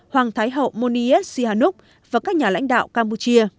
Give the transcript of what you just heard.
hoàng thái hậu monies sihamonuk và các nhà lãnh đạo campuchia